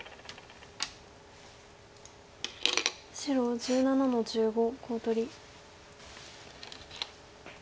白１７の十五コウ取り。